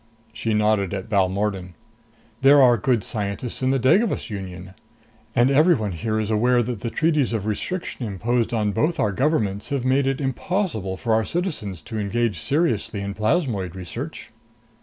She nodded at Balmordan. "There are good scientists in the Devagas Union. And everyone here is aware that the Treaties of Restriction imposed on both our governments have made it impossible for our citizens to engage seriously in plasmoid research."